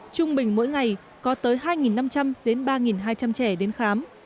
trung bình mỗi ngày có tới hai năm trăm linh đến ba hai trăm linh trẻ đến khám